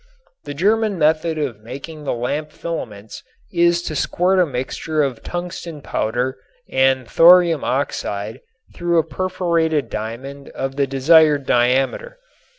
The German method of making the lamp filaments is to squirt a mixture of tungsten powder and thorium oxide through a perforated diamond of the desired diameter.